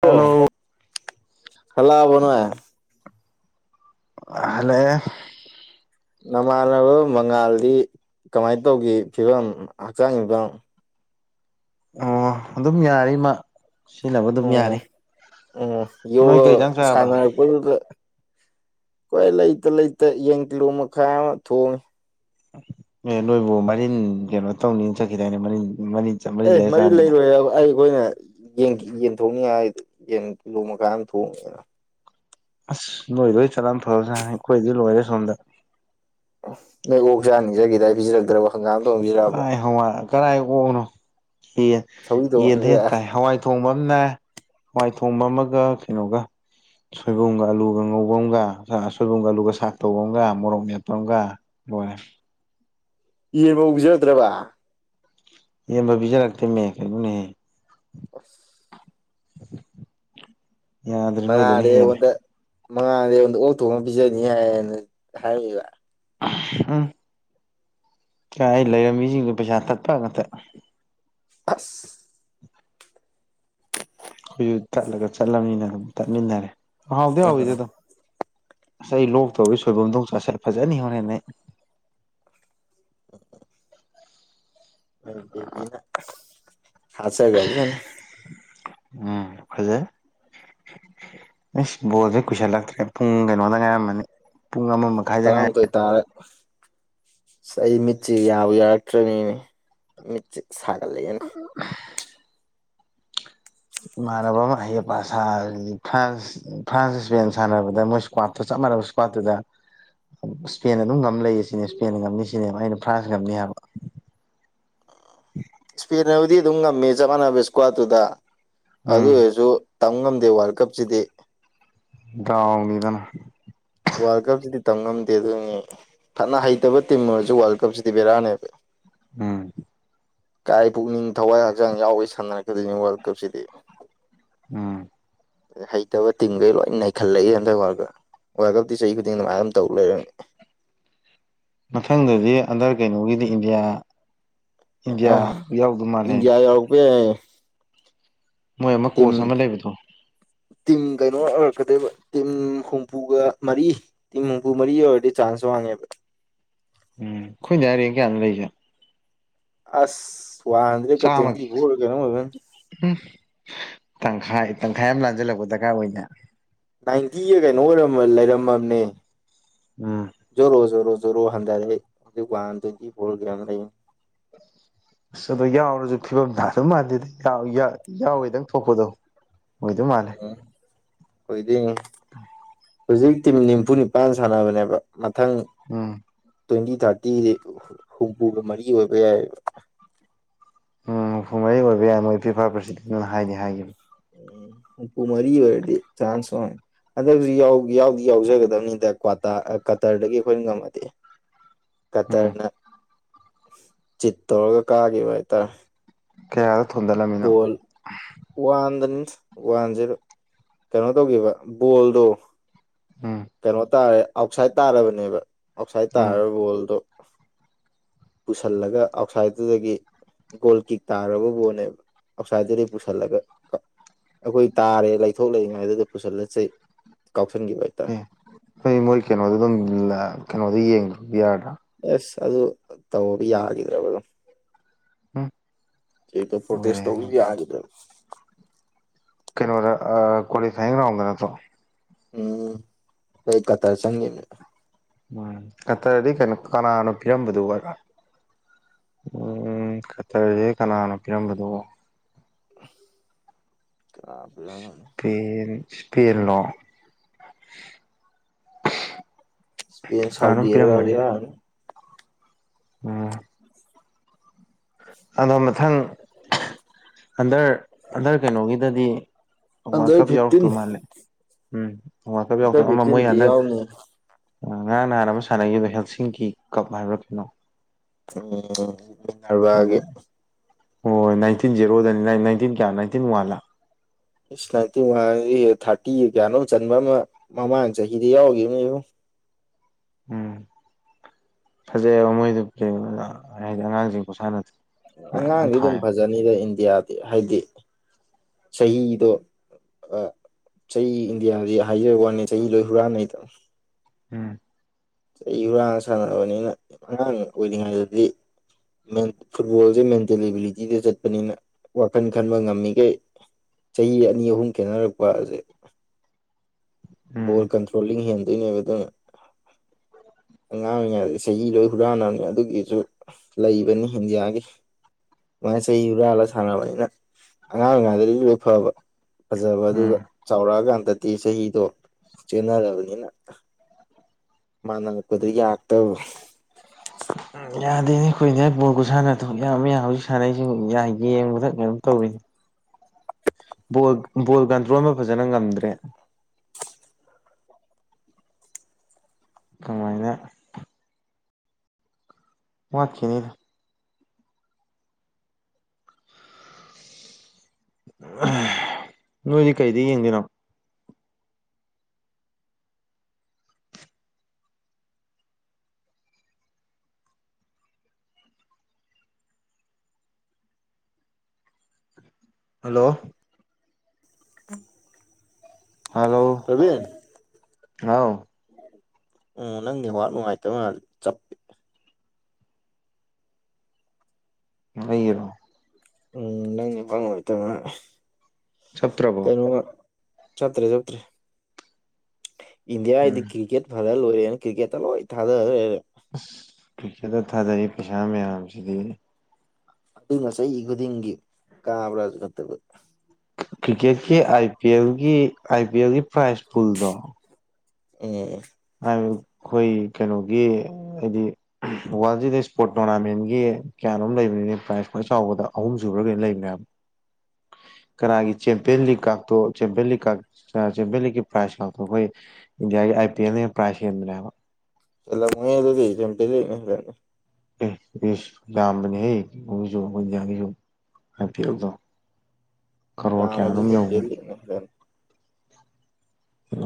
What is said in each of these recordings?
Hello ꯍꯂꯛꯑꯕꯣ ꯅꯣꯏ ꯑ ꯍꯂꯛꯑꯦ ꯅꯃꯥꯟꯅꯕ ꯃꯉꯥꯜꯗꯤ ꯀꯃꯥꯏꯅ ꯇꯧꯒꯤ ꯐꯤꯕꯝ ꯍꯛꯆꯥꯡ ꯒꯤ ꯐꯤꯕꯝ ꯑꯣ ꯑꯗꯨꯝ ꯌꯥꯔꯤꯃ ꯎꯝ ꯎꯝ ꯅꯣꯏ ꯌꯣꯒ ꯀꯩ ꯏꯟꯖꯥꯡ ꯆꯥꯔꯕ ꯁꯥꯟꯅꯔꯄꯗꯨꯗ ꯑꯈꯣꯏ ꯂꯩꯇ ꯂꯩꯇ ꯌꯦꯟ ꯀꯤꯂꯣ ꯃꯈꯥꯏ ꯑꯃ ꯊꯣꯡꯉꯤ ꯑꯦ ꯅꯣꯏꯕꯨ ꯃꯔꯤꯟ ꯀꯩꯅꯣ ꯇꯧꯅꯤ ꯆꯠꯈꯤꯗꯅꯦ ꯃꯔꯤꯟ ꯃꯔꯤꯟ ꯃꯔꯤꯟ ꯑꯦ ꯂꯩꯔ ꯃꯔꯤ ꯆꯥꯅꯤꯅ ꯂꯩꯔꯣꯏ ꯑꯩꯈꯣꯏꯅ ꯌꯦꯟ ꯌꯦꯟ ꯊꯣꯡꯅꯤꯡ ꯍꯥꯏꯗꯨ ꯀꯤꯂꯣ ꯃꯈꯥꯏ ꯑꯃ ꯊꯣꯡꯉꯤꯔꯥ ꯑꯁ ꯅꯣꯏ ꯑꯣꯏ ꯆꯠꯂꯝꯕꯅ ꯐꯕ ꯖꯥꯠꯅꯤ ꯑꯩꯈꯣꯏꯗꯤ ꯂꯣꯏꯔꯦ ꯁꯣꯝꯗ ꯅꯣꯏ ꯑꯣꯛ ꯆꯥꯅꯤ ꯆꯠꯈꯤꯗꯥꯏ ꯄꯤꯖꯔꯛꯇ꯭ꯔꯕꯣ ꯀꯥꯏ ꯍꯋꯥꯏ ꯀꯔꯥꯏ ꯑꯣꯛꯅꯣ ꯌꯦꯟ ꯁꯧꯒ꯭ꯔꯤ ꯊꯣꯡ ꯌꯦꯟꯗꯩ ꯍꯦꯟ ꯇꯥꯏ ꯍꯋꯥꯏ ꯊꯣꯡꯕ ꯑꯃꯅꯦ ꯍꯋꯥꯏ ꯊꯣꯡꯕ ꯑꯃꯒ ꯀꯩꯅꯣꯒ ꯁꯣꯏꯕꯨꯝꯒ ꯑꯂꯨꯒ ꯉꯧꯕ ꯑꯃꯒ ꯁꯣꯏꯕꯨꯝꯒ ꯑꯂꯨꯒ ꯁꯥꯥꯛ ꯇꯧꯕ ꯑꯃꯒ ꯃꯣꯔꯣꯛ ꯃꯦꯠꯄ ꯑꯃꯒ ꯂꯣꯏꯔꯦ ꯌꯦꯟꯕꯨꯛ ꯄꯤꯖꯔꯛꯇ꯭ꯔꯕ ꯌꯦꯟꯕꯨꯛ ꯄꯤꯖꯔꯛꯇꯦꯃꯦ ꯀꯩꯅꯣꯅꯦꯍꯦ ꯑꯁ [unintelligible] ꯅꯣꯏꯗꯨꯅ ꯃꯉꯥꯜꯗ ꯍꯦꯜꯂꯦ ꯑꯩꯉꯣꯟꯗ ꯃꯉꯥꯜꯅꯗ ꯑꯩꯉꯣꯟꯗ ꯑꯣꯛ ꯊꯣꯡꯉ ꯄꯤꯖꯅꯤ ꯍꯥꯏꯅ ꯍꯥꯏꯔꯛꯏꯕ [unintelligible] ꯎꯝ ꯀꯥꯏ ꯂꯩꯔꯝꯃꯤꯁꯤꯡꯗꯣ ꯄꯩꯁꯥ ꯇꯠꯄ ꯉꯥꯛꯇ ꯑꯁ ꯑꯈꯣꯏꯁꯨ ꯇꯠꯂꯒ ꯆꯠꯂꯝꯅꯤꯅ ꯑꯗꯨꯝ ꯇꯠꯃꯤꯟꯅꯔꯦ ꯍꯥꯎꯗꯤ ꯎꯝ ꯍꯥꯎꯋꯤꯗ ꯑꯗꯨꯝ ꯑꯁ ꯑꯩ ꯂꯣꯛꯇꯧꯔꯤ ꯁꯣꯏꯕꯨꯝꯗꯣ ꯑꯃꯨꯛ ꯆꯥꯁꯤꯜ ꯐꯖꯅ ꯍꯣꯔꯦꯟ ꯑꯩ ꯅꯣꯢ ꯕꯦꯕꯤꯅ ꯍꯥꯠꯆꯥꯒ꯭ꯔꯅꯤ ꯎꯝ ꯐꯖꯩ ꯏꯁ ꯕꯣꯜꯖꯦ ꯀꯨꯏꯁꯜꯂꯛꯇ꯭ꯔꯦ ꯄꯨꯡ ꯀꯩꯅꯣꯗ ꯉꯥꯏꯔꯝꯃꯅꯤ ꯄꯨꯡ ꯑꯃ ꯎꯝ ꯃꯈꯥꯏꯗ ꯉꯥꯏ ꯇꯔꯥꯃꯥꯊꯩꯏ ꯇꯥꯔꯦ ꯑꯩ ꯃꯤꯠꯁꯦ ꯌꯥꯕꯨ ꯌꯥꯔꯛꯇ꯭ꯔꯃꯤꯅꯦ ꯃꯤꯠꯁꯦ ꯁꯥꯒꯠꯂꯛꯑꯅꯦ ꯢꯃꯥꯟꯅꯕ ꯑꯃ ꯑꯍꯩ ꯑꯄꯥ ꯁꯥꯕꯖꯤꯗꯤ ꯐ꯭ꯔꯥꯟꯁ ꯐ꯭ꯔꯥꯟꯁ ꯏꯁꯄꯦꯟ ꯁꯥꯟꯅꯕꯗ ꯃꯣꯏ ꯏꯁꯀ꯭ꯋꯥꯠꯇ ꯆꯞ ꯃꯥꯟꯅꯕ ꯏꯁꯀ꯭ꯋꯥꯠꯇꯨꯗ ꯏꯁꯄꯦꯟ ꯑꯗꯨꯝ ꯉꯝ ꯂꯩꯌꯦ ꯁꯤꯅꯦ ꯏꯁꯄꯦꯟ ꯉꯝꯅꯤ ꯁꯤꯅꯤ ꯑꯩꯅ ꯐ꯭ꯔꯥꯟꯁ ꯉꯝꯅꯤ ꯍꯥꯏꯕ ꯏꯁꯄꯦꯟ ꯅꯕꯨꯗꯤ ꯑꯗꯨꯝ ꯉꯝꯃꯦ ꯆꯞ ꯃꯥꯟꯅꯕ ꯏꯁꯀ꯭ꯋꯥꯠꯇꯨꯗ ꯑꯗꯨ ꯎꯝ ꯑꯣꯏꯔꯁꯨ ꯇꯝꯕ ꯉꯝꯗꯦ ꯋꯥꯔꯜ ꯀꯞꯁꯤꯗꯤ ꯗꯥꯎꯅꯤꯗꯅ ꯋꯥꯔꯜ ꯀꯞꯁꯤꯗꯤ ꯇꯝ ꯉꯝꯗꯦ ꯑꯗꯨꯅꯤ ꯐꯠꯅ ꯍꯩꯇꯕ ꯇꯤꯝ ꯑꯣꯏꯔꯁꯨ ꯋꯥꯔꯜ ꯀꯞꯁꯤꯗꯤ ꯕꯦꯔꯥꯅꯦꯕ ꯎꯝ ꯀꯥꯏ ꯄꯨꯛꯅꯤꯡ ꯊꯋꯥꯏ ꯍꯛꯆꯥꯡ ꯌꯥꯎꯒꯩ ꯁꯥꯟꯅꯔꯛ ꯇꯣꯏꯅꯦ ꯋꯥꯔꯜ ꯀꯞꯁꯤꯗꯤ ꯎꯝ ꯍꯩꯇꯕ ꯇꯤꯝꯒꯩ ꯂꯣꯏ ꯅꯩꯈꯠꯂꯛꯏ ꯍꯟꯗꯛ ꯋꯥꯔꯜ ꯀꯞ ꯋꯥꯔꯜ ꯀꯞꯇꯤ ꯆꯍꯤ ꯈꯨꯗꯤꯡ ꯑꯗꯨꯃꯥꯏꯅ ꯑꯗꯨ ꯇꯧꯔ ꯂꯩꯔꯝꯅꯤ ꯃꯊꯪꯗꯗꯤ ꯑꯟꯗꯔ ꯀꯩꯅꯣꯒꯤꯗꯤ ꯏꯟꯗꯤꯌꯥ ꯑ ꯏꯟꯗꯤꯌꯥ ꯌꯥꯎꯗꯧ ꯃꯥꯜꯅꯦ [unintelligible] ꯃꯣꯏ ꯑꯃ ꯇꯤꯝ ꯀꯣꯁ ꯑꯃ ꯂꯩꯕꯗꯣ ꯇꯤꯝ ꯀꯩꯅꯣ ꯑꯣꯏꯔꯛꯀꯗꯣꯏꯕ ꯇꯤꯝ ꯍꯨꯝꯐꯨꯒ ꯃꯔꯤ ꯇꯤꯝ ꯍꯨꯝꯐꯨ ꯃꯔꯤ ꯑꯣꯏꯔꯗꯤ ꯆꯥꯟꯁ ꯋꯥꯡꯉꯦꯕ ꯎꯝ ꯈꯣꯏ [unintelligible] ꯀꯌꯥꯅꯣ ꯂꯩꯁꯦ ꯑꯁ ꯋꯥꯟ ꯍꯟꯗ꯭ꯔꯦꯗꯀ ꯆꯥꯝꯃꯒꯤ ꯇ꯭ꯋꯦꯟꯇꯤ ꯐꯣꯔ ꯀꯩꯅꯣ ꯑꯣꯏꯕꯅꯤ ꯎꯝ ꯇꯪꯈꯥꯏ ꯇꯪꯈꯥꯏ ꯑꯃ ꯂꯥꯟꯖꯜꯂꯛꯄ ꯗꯔꯀꯥꯔ ꯑꯣꯏꯅ ꯅꯥꯏꯟꯇꯤꯒ ꯀꯩꯅꯣ ꯑꯣꯏꯔ ꯂꯩꯔꯝꯃꯃꯦ ꯎꯝ ꯖꯣꯔꯣ ꯖꯣꯔꯣ ꯖꯔꯣ ꯍꯟꯊꯔꯦ ꯍꯧꯖꯤꯛ ꯋꯥꯟꯇ꯭ꯋꯦꯟꯇꯤ ꯐꯣꯔ ꯀꯌꯥꯅꯣ ꯂꯩ ꯑꯁ ꯑꯗꯣ ꯌꯥꯎꯔꯁꯨ ꯐꯤꯕꯝ ꯇꯥꯗꯧ ꯃꯥꯟꯗꯦꯗ [unintelligible] ꯌꯥꯎꯋꯦꯗꯪ ꯊꯣꯛꯄꯗꯣ ꯑꯣꯏꯗꯨ ꯃꯥꯜꯂꯦ ꯑꯣꯏꯗꯤꯡ [inaudible] ꯍꯧꯖꯤꯛ ꯇꯤꯝ ꯅꯤꯝꯐꯨ ꯅꯤꯄꯥꯟ ꯁꯥꯟꯅꯕꯅꯦꯕ ꯃꯊꯪ ꯎꯝ ꯇ꯭ꯋꯦꯟꯇꯤ ꯊꯥꯔꯇꯤ ꯍꯨꯝꯐꯨꯒ ꯃꯔꯤ ꯑꯣꯏꯕ ꯌꯥꯏꯑꯦꯕ ꯎꯝ ꯍꯨꯝꯐꯨ ꯃꯔꯤ ꯑꯣꯏꯕ ꯌꯥꯏ ꯃꯣꯏ ꯐꯤꯐꯥ ꯄ꯭ꯔꯁꯤꯗꯦꯟꯅ ꯍꯥꯏꯗꯤ ꯍꯥꯏꯒꯤꯝ ꯍꯨꯝꯄꯨꯨ ꯃꯔꯤ ꯑꯣꯏꯔꯥꯗꯤ ꯆꯥꯟꯁ ꯋꯥꯡ ꯑꯗꯨ ꯌꯥꯎꯗꯤ ꯌꯥꯎꯖꯒꯗꯧꯅꯤꯗ ꯀ꯭ꯋꯥꯇꯥ ꯀꯇꯔꯗꯒꯤ ꯑꯈꯣꯏꯅ ꯉꯝꯃꯗꯤ ꯎꯝ ꯀꯇꯔꯅ ꯆꯤꯠ ꯇꯧꯔꯒ ꯀꯥꯈꯤꯕ ꯍꯥꯏꯇꯥ ꯀꯌꯥꯗ ꯊꯣꯝꯗꯠꯂꯝꯃꯤꯅꯣ ꯋꯥꯟꯗꯅꯤ ꯋꯥꯟ ꯖꯔꯣ ꯀꯩꯅꯣ ꯇꯧꯒꯤꯕ ꯕꯣꯜꯗꯣ ꯎꯝ ꯀꯩꯅꯣ ꯇꯥꯔꯦ ꯑꯥꯎꯠꯁꯥꯏꯠ ꯇꯥꯔꯕꯅꯦꯕ ꯑꯥꯎꯠꯁꯥꯏꯠ ꯎꯝ ꯇꯥꯔꯕ ꯕꯣꯜꯗꯣ [inaudible] ꯄꯨꯁꯜꯂꯒ ꯑꯥꯎꯠꯁꯥꯏꯠꯇꯨꯗꯒꯤ ꯒꯣꯜ ꯀꯤꯛ ꯇꯥꯔꯕ ꯕꯣꯜꯅꯦꯕ ꯑꯥꯎꯠꯁꯥꯏꯗꯗꯤ ꯄꯨꯁꯤꯜꯂꯒ ꯑꯈꯣꯏ ꯇꯥꯔꯦ ꯂꯩꯊꯣꯛ ꯂꯩꯔꯤꯉꯥꯏꯗꯨꯗ ꯄꯨꯁꯜꯂꯁ ꯀꯥꯎꯁꯟꯈꯤꯕ ꯍꯥꯏꯇꯥꯔꯦ ꯑꯣꯏ ꯃꯣꯏ ꯀꯩꯅꯣꯗ ꯑꯗꯨꯝ ꯀꯩꯅꯣꯗ ꯌꯦꯡꯗ ꯌꯥꯗ꯭ꯔꯥ ꯑꯦꯁ ꯑꯗꯨ ꯇꯧ ꯌꯥꯈꯤꯗ꯭ꯔꯕ [unintelligible] [unintelligible] [unintelligible] ꯄ꯭ꯔꯣꯇꯦꯁ ꯎꯝ [unintelligible] ꯌꯥꯈꯤꯗꯕ ꯀꯩꯅꯣꯔ ꯑ ꯀꯣꯂꯤꯐꯥꯢꯡ ꯔꯥꯎꯟꯗ ꯅꯠꯇꯣ ꯎꯝ [unintelligible] ꯎꯝ ꯀꯠꯇꯔꯗꯤ ꯀꯩꯅꯣ ꯀꯅꯥꯅꯣ ꯄꯤꯔꯝꯕꯗꯨ [unintelligible] ꯎꯝ ꯀꯇꯔꯁꯦ ꯀꯅꯥꯅꯣ ꯄꯤꯔꯝꯕꯗꯣ [unintelligible] ꯄꯦꯟ ꯁꯄꯦꯟꯂꯣ ꯏꯁꯄꯦ ꯁꯥꯎꯗꯤ ꯀꯅꯥꯅꯣꯝ ꯄꯤꯔꯝꯕꯅꯤ ꯑꯦꯔꯕꯤꯌꯥ ꯎꯝ ꯑꯗꯣ ꯃꯊꯪ ꯍꯟꯗꯔ ꯍꯟꯗꯔ ꯀꯩꯅꯣꯒꯤꯗꯗꯤ ꯋꯥꯜ ꯑꯟꯗꯔ ꯀꯞ ꯐꯤꯐꯇꯤꯟ ꯌꯥꯎꯔꯛꯇꯧ ꯃꯥꯜꯂꯦ ꯎꯝ ꯋꯥꯜ ꯀꯞ ꯌꯥꯎꯔꯛꯇꯣ ꯑꯟꯗꯔ ꯑꯃ ꯃꯣꯏ ꯐꯤꯐꯇꯤꯟꯗꯤ ꯍꯟꯗꯛ ꯌꯥꯎꯅꯤ ꯉꯔꯥꯡ ꯅꯍꯥꯟ ꯑꯃ ꯁꯥꯟꯅꯈꯤꯕ ꯍꯦꯜꯁꯤꯡꯒꯤ ꯀꯞ ꯍꯥꯏꯕ꯭ꯔꯥ ꯀꯩꯅꯣ ꯎꯝ ꯃꯤꯟꯅꯔꯕꯒꯤ ꯑꯗꯨꯅ ꯍꯣꯏ ꯅꯥꯏꯇꯤꯟ ꯖꯦꯔꯣꯗꯅꯤ ꯅꯥꯏꯟꯇꯤꯟ ꯀꯌꯥ ꯅꯥꯏꯟꯇꯤꯟ ꯋꯥꯟꯂ [unintelligible] ꯊꯥꯔꯇꯔꯤꯒ ꯀꯌꯥꯅꯣꯝ ꯆꯟꯕ ꯑꯃ ꯃꯃꯥꯡ ꯆꯍꯤꯗ ꯌꯥꯎꯒꯤꯕ [unintelligible] ꯎꯝ ꯐꯖꯩꯑꯦꯕ ꯃꯣꯏꯗꯨ ꯄ꯭ꯂꯦ ꯍꯥꯏꯗꯤ ꯑꯉꯥꯡꯁꯤꯡ ꯈꯨꯁꯥꯟꯅꯗꯣ ꯅꯥꯟ ꯅꯥꯟ ꯑꯉꯥꯡꯗꯤ ꯑꯗꯨꯝ ꯊꯥꯏ ꯐꯖꯅꯤꯗ ꯏꯟꯗꯤꯌꯥꯗꯤ ꯍꯥꯏꯗꯤ ꯆꯍꯤꯗꯣ ꯑ ꯆꯍꯤ ꯏꯟꯗꯤꯌꯥꯁꯤ ꯍꯥꯏꯖꯕ ꯋꯥꯅꯤ ꯆꯍꯤ ꯂꯣꯏ ꯍꯨꯔꯥꯟꯅꯩꯗꯅ ꯎꯝ꯫ ꯆꯍꯤ ꯍꯨꯔꯥꯡ ꯁꯥꯟꯔꯕꯅꯤꯅ ꯑꯉꯥꯡ ꯑꯣꯏꯔꯤꯉꯩꯗꯗꯤ ꯐꯨꯠꯕꯣꯜꯁꯦ ꯃꯦꯟꯇꯦꯜ ꯑꯦꯕꯤꯂꯤꯇꯤꯗ ꯆꯠꯄꯅꯤꯅ ꯋꯥꯈꯟ ꯈꯟꯕ ꯉꯝꯃꯤꯈꯩ ꯆꯍꯤ ꯑꯅꯤ ꯑꯍꯨꯝ ꯈꯦꯠꯅꯔꯛꯄ ꯑꯁꯦ ꯕꯣꯜ ꯎꯝ ꯀꯟꯇ꯭ꯔꯣꯂꯤꯡ ꯍꯦꯟꯗꯣꯏꯅꯦ ꯕꯗꯔ ꯑꯉꯥꯡ ꯑꯣꯏꯔꯤꯉꯩ ꯆꯍꯤ ꯂꯣꯏ ꯍꯨꯔꯥꯟꯅꯕꯅꯤ ꯑꯗꯨꯒꯤꯁꯨ ꯂꯩꯕꯅꯤ ꯏꯟꯗꯤꯌꯥꯒꯤ ꯑꯗꯨꯃꯥꯏꯅ ꯆꯍꯤ ꯍꯨꯔꯥꯜꯂꯒ ꯁꯥꯟꯅꯕꯅꯤꯅ ꯑꯉꯥꯡ ꯑꯣꯏꯉꯥꯡꯗꯗꯤ ꯂꯣꯏ ꯐꯕ ꯐꯖꯕ ꯎꯝ ꯑꯗꯨꯒ ꯆꯥꯎꯔꯛꯑꯀꯥꯟꯗꯗꯤ ꯆꯍꯤꯗꯣ ꯆꯦꯟꯅꯔꯕꯅꯤꯅ ꯃꯥ ꯅꯉꯛꯄꯗ ꯌꯥꯔꯛꯇꯕ ꯎꯝ ꯌꯥꯗꯦꯅꯦ ꯑꯈꯣꯏꯢꯟꯗꯤꯌꯥ ꯕꯣꯜ ꯈꯨꯁꯥꯅꯗꯣ ꯌꯥꯝ ꯌꯥ ꯍꯧꯖꯤꯛ ꯁꯥꯟꯅꯔꯤꯁꯨ ꯌꯥꯏ ꯌꯦꯡꯕꯗ ꯀꯩꯅꯣꯝ ꯇꯧꯋꯤꯅꯦ ꯕꯣꯜ ꯕꯣꯜ ꯀꯟꯇ꯭ꯔꯣꯜꯗꯣ ꯐꯖꯅ ꯉꯝꯗ꯭ꯔꯦ ꯀꯃꯥꯏꯅ ꯋꯥꯠꯈꯤꯅꯤ ꯅꯣꯏꯗꯤ ꯀꯩꯗꯤ ꯌꯦꯡꯗꯣꯏꯅꯣ ꯍꯜꯂꯣ [inaudible] ꯍꯜꯂꯣ ꯄ꯭ꯔꯕꯤꯟ ꯍꯥꯎ ꯎꯝ ꯅꯪ ꯅꯦꯋꯥꯛ ꯅꯨꯡꯉꯥꯏꯇꯕ ꯃꯥꯜꯂꯤ ꯆꯞꯄꯤ [unintelligible] ꯎꯝ ꯅꯪ ꯐꯡ [unintelligible] ꯆꯠꯇ꯭ꯔꯕꯣ ꯆꯠꯇ꯭ꯔꯦ ꯆꯠꯇ꯭ꯔꯦ ꯏꯟꯗꯤꯌꯥ ꯗꯤ ꯎꯝ ꯀ꯭ꯔꯤꯀꯦꯠ ꯐꯥꯖꯔ ꯂꯣꯏꯔꯦꯅ ꯀ꯭ꯔꯤꯀꯦꯠꯇ ꯂꯣꯏ ꯊꯥꯗ ꯂꯩꯔꯦ ꯑꯁ ꯀꯤꯀꯦꯠꯇ ꯊꯥꯗꯛꯏ ꯄꯩꯁꯥ ꯃꯌꯥꯝꯁꯤꯗꯤ ꯑꯗꯨꯅ ꯆꯍꯤ ꯈꯨꯗꯤꯡꯒꯤ ꯀꯥꯕ꯭ꯔꯥ ꯅꯠꯇꯕ ꯀ꯭ꯔꯤꯛꯀꯦꯠꯀꯤ I P algae I P algae prize ꯄꯨꯨꯜꯗꯣ ꯎꯝ ꯑ ꯍꯥꯏꯕ ꯑꯈꯣꯏ ꯀꯩꯅꯣꯒꯤ ꯍꯥꯏꯗꯤ ꯋꯥꯔꯜꯁꯤꯗ ꯏꯁꯄꯣꯔꯠ ꯇꯣꯔꯅꯥꯃꯦꯟꯒꯤ ꯀꯌꯥꯅꯣꯝ ꯂꯩꯕꯅꯤꯅꯦ ꯄ꯭ꯔꯥꯏꯖ ꯈ꯭ꯋꯥꯢ ꯆꯥꯎꯕꯗ ꯑꯍꯨꯝ ꯁꯨꯨꯕꯗꯔ ꯀꯣꯏꯅ ꯂꯩꯕꯅꯦꯕ ꯀꯅꯥꯒꯤ ꯆꯦꯝꯄꯤꯌꯟ ꯂꯤꯒ ꯀꯇꯣ ꯆꯦꯝꯄꯤꯌꯟ ꯂꯤꯛ ꯆꯦꯝꯄꯤꯌꯟ ꯂꯤꯛꯀꯤ ꯄ꯭ꯔꯥꯏꯖ ꯉꯇ ꯑꯩꯈꯣꯏ ꯏꯟꯗꯤꯌꯥꯒꯤ ꯑꯥꯏ ꯄꯤ ꯑꯦꯜꯅ ꯄ꯭ꯔꯥꯏꯖ ꯍꯦꯟꯕꯅꯦꯕ ꯍꯦꯂꯝꯒꯅꯤ ꯑꯗꯨꯗꯤ ꯌꯥꯝ ꯄꯤ ꯂꯩ ꯑꯦ ꯂꯝꯕꯅꯤꯁꯨꯣ ꯍꯖꯁꯨ [unintelligible] ꯍꯥꯏꯐꯦꯦꯜꯗꯣ ꯀꯔꯣ ꯀꯌꯥꯅꯣ ꯌꯥꯝꯃꯕꯗ ꯆꯦꯝꯄꯤꯌꯟ ꯌꯧꯕꯅꯦ ꯂꯤꯛꯅ ꯍꯦꯜꯂꯅꯤ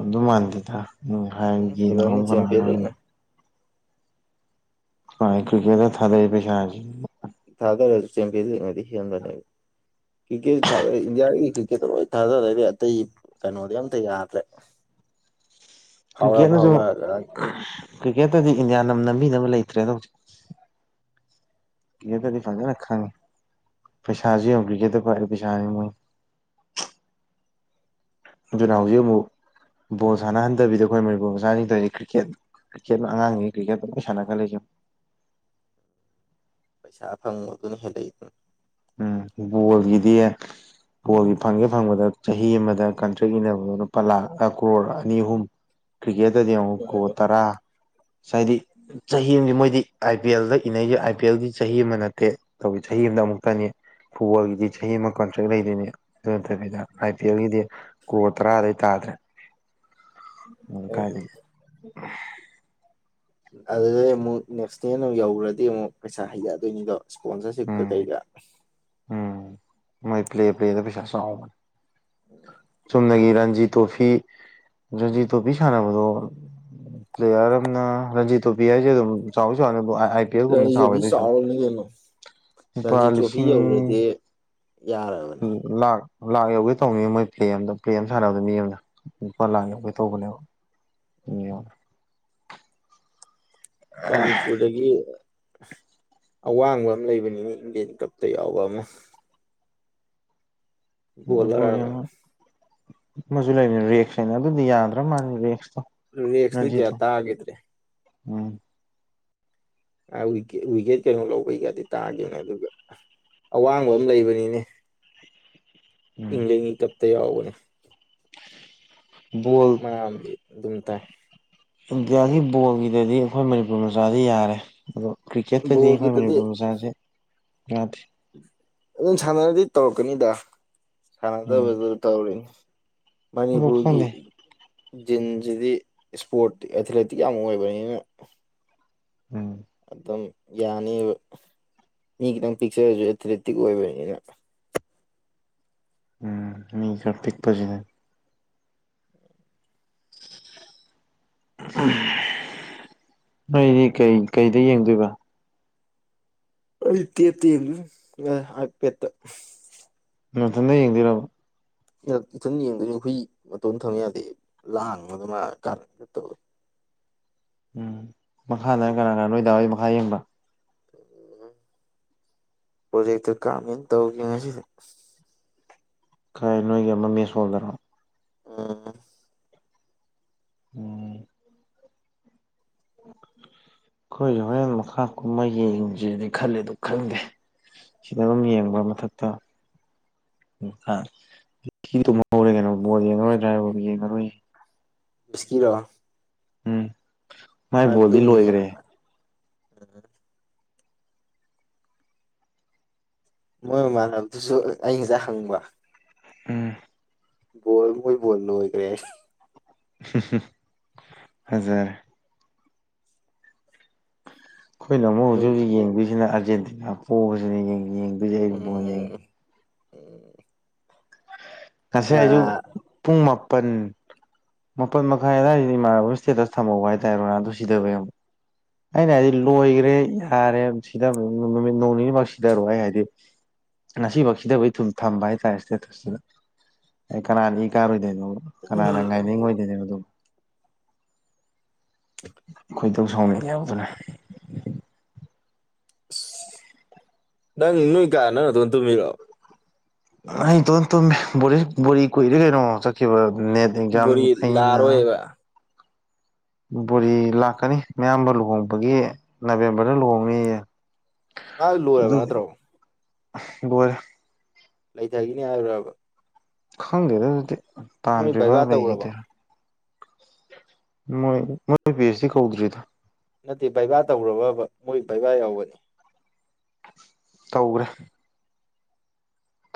ꯑꯗꯨ ꯃꯥꯟꯗꯗ ꯎ ꯎꯝ ꯍꯦꯜꯂꯅꯤ ꯆꯦꯝꯄꯤꯌꯟ ꯍꯥꯏꯒꯤꯔꯅꯤ ꯂꯤꯛꯅ ꯄꯥꯏ ꯀꯨꯄꯦꯗ ꯊꯗꯩ ꯄꯩꯁꯥ ꯍꯥꯏ ꯊꯥꯗꯔꯁꯨ ꯆꯦꯟꯕꯤꯗꯔꯤꯉꯗꯤ ꯍꯦꯟꯕꯅꯦꯕ ꯀꯤꯔꯤꯀꯦꯠ ꯊꯥꯔꯦ ꯏꯟꯗꯤꯌꯥꯒꯤ ꯀꯤꯀꯦꯠꯇ ꯂꯣꯏ ꯊꯥꯗꯔꯦ ꯑꯇꯩ ꯀꯩꯅꯣꯗꯤ ꯑꯝꯇ ꯌꯥꯗ꯭ꯔꯦ ꯐꯥꯎꯔ ꯀꯔ꯭ꯤꯀꯦꯠꯅꯖꯨ ꯐꯥꯎꯔꯛꯑꯒ ꯀ꯭ꯔꯤꯀꯦꯠꯇꯗꯤ ꯏꯟꯗꯤꯌꯥꯅꯝ ꯅꯝꯕꯤꯅꯕ ꯂꯩꯇ꯭ꯔꯦ ꯍꯧꯖꯤꯛ ꯀ꯭ꯔꯤꯛꯀꯦꯠꯇꯗꯤ ꯐꯖꯅ ꯈꯪꯉꯤ ꯄꯩꯁꯥꯁꯨ ꯌꯦꯡꯉꯣ ꯀꯤꯛꯀꯦꯠꯇ ꯀꯋꯥꯔ ꯄꯩꯁꯥꯅꯤ ꯃꯣꯏ ꯑꯗꯨꯅ ꯍꯧꯖꯤꯛ ꯑꯃꯨꯛ ꯕꯣꯜ ꯁꯥꯟꯅꯍꯟꯗꯕꯤꯗ ꯑꯩꯈꯣꯏ ꯃꯅꯤꯄꯨꯔ ꯃꯆꯥꯅꯤꯗꯧꯅꯤ ꯀ꯭ꯔꯤꯛꯀꯦꯠ ꯀ꯭ꯔꯤꯀꯦꯠ ꯑꯉꯥꯡꯉꯩ ꯀ꯭ꯔꯤꯀꯦꯠꯇ ꯂ ꯁꯥꯟꯅꯒ ꯂꯩꯁꯦ ꯄꯩꯁꯥ ꯐꯪꯕ ꯑꯗꯨꯅ ꯍꯦꯜꯂꯛꯏꯗꯅ ꯎꯝ ꯕꯣꯜꯒꯤꯗꯤ ꯕꯣꯜꯒꯤ ꯐꯪꯒꯦ ꯐꯪꯕꯗ ꯆꯍꯤ ꯑꯃꯗ ꯀꯟꯇ꯭ꯔꯦꯛ ꯏꯟꯅꯕꯗ ꯂꯨꯄꯥ ꯂꯥꯛ ꯀ꯭ꯔꯣꯔ ꯑꯅꯤ ꯑꯍꯨꯝ ꯀ꯭ꯔꯤꯀꯦꯠꯇꯗꯤ ꯑꯃꯨꯛ ꯀꯣ ꯇꯔꯥ ꯉꯥꯏꯗꯤ ꯆꯍꯤ ꯑꯃ ꯃꯣꯏꯗꯤ ꯑꯥꯏ ꯄꯤ ꯑꯦꯜꯗ ꯏꯅꯩꯁꯦ ꯑꯥꯏ ꯄꯤ ꯑꯦꯜꯒꯤ ꯆꯍꯤ ꯑꯃ ꯅꯠꯇꯦ [unintelligible] ꯀꯅꯤ ꯐꯨꯠꯕꯣꯜꯒꯤꯗꯤ ꯆꯍꯤ ꯑꯃ ꯀꯟꯇ꯭ꯔꯦꯛ ꯂꯩꯗꯣꯏꯅꯤ ꯑꯗꯨ ꯅꯠꯇꯕꯤꯗ ꯑꯥꯏ ꯄꯤ ꯑꯦꯜꯒꯤꯗꯤ ꯀꯔꯣꯔ ꯇꯔꯥꯗꯩ ꯇꯥꯗ꯭ꯔꯦ ꯎ ꯀꯥꯏ ꯑꯗꯨꯗꯩ ꯑꯃꯨꯛ ꯅꯦꯛꯁꯅꯦꯜ ꯑꯃꯨꯛ ꯌꯧꯈ꯭ꯔꯗꯤ ꯑꯃꯨꯛ ꯄꯩꯁꯥ ꯍꯩꯔꯛꯑꯗꯣꯏꯅꯤꯗꯣ ꯏꯁꯄꯣꯟꯁꯔꯁꯤꯞꯀ ꯎꯝ ꯀꯩꯀꯥ꯫ ꯎꯝ ꯃꯣꯏ ꯄ꯭ꯂꯦ ꯄ꯭ꯂꯦꯗ ꯄꯩꯁꯥ ꯆꯥꯎꯕꯅꯤ ꯆꯨꯝꯅꯒꯤ ꯔꯟꯖꯤ ꯇꯣꯐꯤ꯫ ꯖꯤ ꯇꯣꯄꯤ ꯁꯥꯅꯕꯗꯣ꯫ ꯄ꯭ꯂꯦꯔ ꯑꯃꯅ ꯔꯟꯖꯤ ꯇꯣ ꯄꯤ ꯍꯥꯏꯁꯦ ꯑꯗꯨꯝ ꯆꯥꯎ [unintelligible] ꯔꯥꯟꯖꯤ ꯆꯥꯎꯋꯦ ꯇ꯭ꯔꯣꯐꯤ ꯑꯗꯨꯏꯁꯨ ꯆꯥꯎꯔꯕꯅꯤ ꯀꯩꯅꯣ ꯂꯨꯄꯥ ꯔꯥꯟꯖꯤ ꯇ꯭ꯔꯣꯐꯤ ꯌꯧꯔꯗꯤ ꯌꯥꯔꯕ꯫ ꯂ ꯂꯥꯛ ꯌꯧꯒꯦ ꯇꯧꯅꯤꯡꯉ ꯃꯣꯏ ꯄ꯭ꯂꯦ ꯑꯗ ꯄ꯭ꯂꯦ ꯑꯃ ꯁꯥꯟꯅꯕꯗꯣ ꯃꯤ ꯑꯃꯗ꯫ ꯂꯨꯄꯥ ꯂꯥꯛ ꯌꯧꯒꯦ ꯇꯧꯕꯅꯦꯕ [unintelligible] ꯃꯅꯤꯄꯨꯔꯗꯒꯤ [unintelligible] ꯑꯋꯥꯡꯕ ꯑꯃ ꯂꯩꯕꯅꯤꯅ ꯏꯟꯗꯤꯌꯥꯟ ꯀꯞꯇ ꯌꯥꯎꯕ ꯑꯃ꯫ ꯃꯅꯤꯄꯨꯒꯤ ꯑꯃ ꯂꯩꯕꯅꯤ ꯔꯦꯛꯁ ꯍꯥꯏꯅ ꯑꯗꯨꯗꯤ ꯌꯥꯗ꯭ꯔ ꯃꯥꯜꯜꯂꯤ ꯔꯦꯛꯁꯇꯣ꯫ ꯔꯦꯛꯇꯨꯗꯤ ꯀꯌꯥ ꯔꯟꯖꯤꯠꯇꯣ ꯇꯥꯈꯤꯗ꯭ꯔꯦ꯫ ꯎꯝ ꯋꯤꯀꯦꯠ ꯀꯩꯅꯣ ꯂꯧꯕꯩꯒꯗꯤ ꯇꯥꯈꯤꯕꯦꯅꯦ ꯑꯗꯨꯒ꯫ ꯑꯋꯥꯡꯕ ꯑꯃ ꯂꯩꯕꯅꯤꯅꯦ ꯎꯝ ꯏꯪꯂꯦꯟꯒꯤ ꯀꯞꯇ ꯌꯥꯎꯕꯅꯦ꯫ ꯕꯣꯜ ꯃꯥ ꯑꯃꯗꯤ ꯑꯗꯨꯝ ꯇꯥꯏ꯫ ꯏꯟꯗꯤꯌꯥꯒꯤ ꯕꯣꯜꯒꯤꯗꯗꯤ ꯑꯩꯈꯣꯏ ꯃꯅꯤꯄꯨꯔ ꯃꯆꯥꯗꯤ ꯌꯥꯔꯦ ꯑꯗꯣ ꯀ꯭ꯔꯤꯀꯦꯠꯇꯗꯤ ꯑꯩꯈꯣꯏ ꯕꯣꯜꯒꯤꯗꯗꯤ ꯃꯅꯤꯄꯨꯔ ꯃꯖꯥꯁꯦ ꯌꯥꯗꯦ꯫ ꯑꯗꯨꯝ ꯁꯥꯟꯅꯔꯗꯤ ꯇꯧꯔꯛꯀꯅꯤꯗ ꯎꯝ ꯁꯥꯟꯅꯗꯕꯗꯨ ꯇꯧꯔꯤꯅꯤ꯫ ꯑꯗꯣ ꯃꯅꯤꯄꯨꯔꯒꯤ ꯈꯪꯗꯦ ꯖꯤꯝꯁꯤꯗꯤ ꯏꯁꯄꯣꯔꯠ ꯑꯦꯊꯂꯦꯇꯤꯌꯥꯃꯨꯛ ꯑꯣꯏꯕꯅꯤꯅ꯫ ꯎꯝ ꯑꯗꯨꯝ ꯌꯥꯅꯤꯕ ꯃꯤ ꯈꯤꯇꯪ ꯄꯤꯛꯆꯔꯁꯨ ꯑꯦꯊ꯭ꯂꯦꯇꯤꯛ ꯑꯣꯏꯕꯅꯤꯅ꯫ ꯎꯝ ꯃꯤ ꯈꯔ ꯄꯤꯛꯄꯁꯤꯅꯦ [unintelligible] ꯅꯣꯏꯗꯤ ꯀꯩ ꯀꯩꯗ ꯌꯦꯡꯗꯣꯏꯕ ꯑꯩꯗꯤ ꯇꯦꯞ ꯇꯦꯞꯇ ꯌꯦꯡꯗꯣꯏꯅꯤ ꯑꯥꯏ ꯄꯦꯠꯇ꯫ ꯅꯊꯟꯗ ꯌꯦꯡꯗꯣꯏꯔꯣ꯫ ꯏꯊꯟ ꯌꯦꯡꯗꯣꯏꯅꯦ ꯍꯨꯏ ꯃꯇꯣꯟ ꯊꯝ ꯌꯥꯗꯦ ꯂꯥꯡꯕꯗ [unintelligible] ꯎꯝ ꯃꯈꯥ ꯅ ꯀꯅꯥ ꯀꯅꯥ ꯅꯣꯏ ꯗꯥꯋꯥꯏ ꯃꯈꯥ ꯌꯦꯡꯕ꯫ [unintelligible] ꯄꯣꯖꯦꯛꯛꯇ ꯀꯥꯝ ꯏ ꯇꯧ ꯉꯁꯤꯗꯤ꯫ ꯈꯥꯏ ꯅꯣꯏꯒꯤ ꯑꯃ ꯃꯤ ꯁꯣꯜꯗꯔꯣ꯫ ꯑꯣ ꯎꯝ ꯑꯩꯈꯣꯏ ꯍꯣꯔꯦꯟ ꯃꯈꯥ ꯀꯨꯝꯕ ꯌꯦꯡꯁꯤꯦꯗꯤ ꯈꯜꯂꯦ ꯑꯗꯨ ꯈꯟꯗꯦ꯫ ꯁꯤꯗ ꯑꯗꯨꯝ ꯌꯦꯡꯕ ꯃꯊꯛꯇ ꯎꯤꯗꯨ ꯍꯧꯧꯔꯦ ꯀꯩꯅꯣ ꯃꯕꯣꯔ ꯌꯦꯡꯉꯔꯣꯏ ꯗ꯭ꯔꯥꯏꯚꯔꯗꯨ ꯌꯦꯡꯉꯔꯣꯏ꯫ [unintelligible] ꯀꯤꯔꯣ ꯎꯝ ꯃꯥꯏ ꯑ ꯕꯣꯜꯗꯤ ꯇꯨꯝꯃꯤ ꯂꯣꯏꯈ꯭ꯔꯦ ꯃꯣꯏꯃꯥꯟꯅꯕꯗꯨꯁꯨ ꯑꯩ ꯉꯁꯥꯏ ꯍꯪꯕ꯫ ꯎꯝ ꯕꯣꯏ ꯃꯣꯏ ꯕꯣꯜꯅ ꯂꯣꯏꯒꯔꯦ ꯍꯨꯝ ꯍꯨꯝ ꯐꯖꯔꯦ꯫ ꯑꯩꯈꯣꯏꯅ ꯑꯃꯨꯛ ꯍꯧꯖꯤꯛ ꯅꯨꯡ ꯍꯧꯖꯤꯛ ꯌꯦꯡꯗꯣꯏꯁꯤꯅ ꯑꯥꯔꯖꯦꯟꯇꯤꯅꯥ ꯄꯣꯛꯑꯕꯁꯤꯅ ꯌꯦꯡꯗꯣꯏꯁꯦ ꯑꯩ ꯑꯗꯨ ꯃꯣꯏ ꯌꯦꯡꯉꯦ꯫ ꯎꯝ ꯉꯁꯤ ꯑ ꯑꯩꯁꯨ ꯄꯨꯡ ꯃꯥꯄꯜ ꯃꯥꯄꯜ ꯃꯈꯥꯏ ꯑꯗꯨꯋꯥꯏꯁꯤ ꯏꯃꯥꯟꯅꯕ ꯁ꯭ꯇꯦꯇꯁ ꯊꯝꯍꯧꯕ ꯍꯥꯏꯇꯥꯔꯣ ꯅ ꯑꯗꯨ ꯁꯤꯗꯕ ꯌꯦ ꯑꯃꯨ ꯑꯩꯅ ꯍꯥꯏꯗꯤ ꯂꯣꯏꯒ꯭ꯔꯦ ꯌꯥꯔꯦ ꯁꯤꯗꯕꯗꯨ ꯅꯨꯃꯤꯠ ꯅꯣꯡ ꯅꯤꯅꯤꯃꯛ ꯁꯤꯗꯔꯣ ꯑꯩ ꯍꯥꯏꯗꯤ ꯉꯁꯤꯚꯧ ꯁꯤꯗꯕꯩ ꯊꯨꯝ ꯊꯝꯕ ꯍꯥꯏꯇꯥꯔꯦ ꯁꯇꯦꯇꯁ ꯇꯅ ꯑꯩ ꯀꯅꯥꯅ ꯏꯀꯥꯔꯣꯏꯗꯣꯏꯅꯣꯕ ꯀꯅꯥꯅ ꯉꯥꯏꯅꯤꯡꯉꯣꯏꯗꯣꯏꯅꯣꯕ ꯑꯗꯨꯕꯣ [inaudible] ꯇꯣꯢꯗꯧ ꯁꯥꯎꯅꯤꯡꯉꯦꯕ ꯑꯗꯨꯅ ꯅꯪ ꯅꯣꯏ ꯀ ꯅꯪ ꯅꯇꯣꯟ ꯇꯨꯝꯃꯤꯔꯣ ꯑꯩꯇꯣꯟ ꯇ ꯕꯣꯔꯤꯁ ꯕꯣꯔꯤ ꯀꯨꯏꯔꯦ ꯀꯩꯅꯣ ꯆꯠꯈꯤꯕ ꯅꯦꯠ ꯑꯦꯛꯖꯥꯝ ꯕꯣꯔꯤ ꯑꯩꯅ ꯂꯥꯛꯑꯔꯣꯏꯕ ꯕꯣꯔꯤ ꯂꯥꯛꯀꯅꯤ ꯃꯌꯥꯝꯕ ꯂꯨꯍꯣꯡꯕꯒꯤ ꯅꯕꯦꯝꯕꯔꯗ ꯂꯨꯍꯣꯡꯅꯤꯌꯦ ꯃꯥ ꯂꯣꯏꯔꯕ ꯑꯗꯨꯒꯤ ꯅꯠꯇ꯭ꯔꯣ ꯂꯣꯏꯔꯦ ꯂꯩꯗꯒꯤꯅꯤ ꯍꯥꯏꯕ꯭ꯔꯥꯕ ꯈꯪꯗꯦꯗ ꯑꯗꯨꯗꯤ ꯃꯣꯏ ꯇꯥꯟꯗ꯭ꯔꯤꯕꯥ ꯕꯩꯕꯥ ꯇꯧꯈ꯭ꯔꯕ ꯂꯩꯈꯤꯗꯣꯏꯔꯥ ꯃꯣꯏ ꯃꯣꯢꯏ ꯄꯤ ꯑꯩꯛꯁ ꯗꯤ ꯀꯧꯗ꯭ꯔꯤꯗ ꯅꯠꯇꯦ ꯕꯩꯕꯥ ꯇꯧꯒ꯭ꯔꯕꯥꯕ ꯃꯣꯏ ꯕꯩꯕꯥ ꯌꯥꯎꯕꯅꯤ ꯇꯧꯒ꯭ꯔꯦ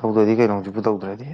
ꯇꯧꯗ꯭ꯔꯗꯤ ꯀꯩꯅꯣ ꯍꯧꯖꯤꯛꯨꯄꯨ ꯇꯧꯗ꯭ꯔꯗꯤ